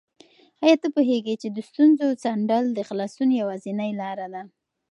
آیا ته پوهېږې چې د ستونزو څنډل د خلاصون یوازینۍ لاره ده؟